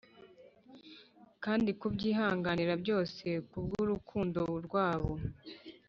kandi kubyihanganira byose kubwurukundo rwabo.